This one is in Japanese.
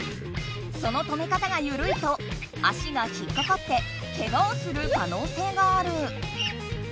そのとめ方がゆるいと足が引っかかってけがをするかのうせいがある。